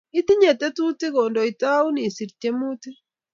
Itinye tetutik kondoitaun isir tiemutik